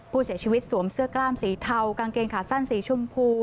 ผู้เสียชีวิตสวมเสื้อกล้ามสีเทากางเกงขาสั้นสีชมพู